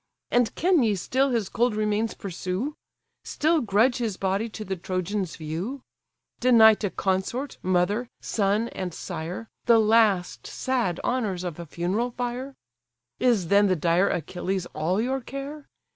And can ye still his cold remains pursue? Still grudge his body to the Trojans' view? Deny to consort, mother, son, and sire, The last sad honours of a funeral fire? Is then the dire Achilles all your care?